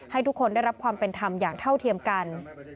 ให้ทุกคนได้รับความเป็นธรรมอย่างเท่าเทียมกัน